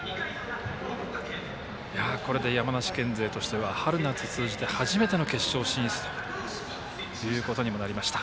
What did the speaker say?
山梨県勢としては春夏通じて、初めての決勝進出ということになりました。